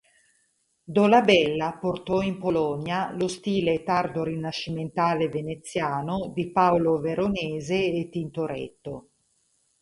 Dolabella portò in Polonia lo stile tardo-rinascimentale veneziano di Paolo Veronese e Tintoretto.